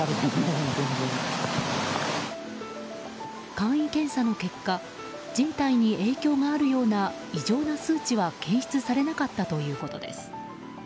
簡易検査の結果人体に影響があるような異常な数値は検出されなかったということです。